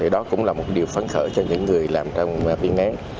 đó cũng là một điều phấn khởi cho những người làm rừng nén